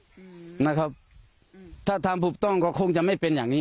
อืมนะครับอืมถ้าทำถูกต้องก็คงจะไม่เป็นอย่างนี้